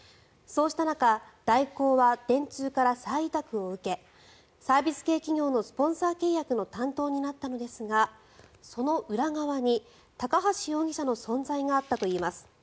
そうした中、大広は電通から再委託を受けサービス系企業のスポンサー契約の担当になったのですがその裏側に高橋容疑者の存在があったといいます。